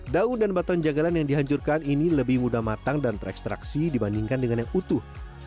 daun dan batuan jagalan yang dihancurkan ini lebih mudah matang dan terekstraksi dibandingkan dengan yang utuh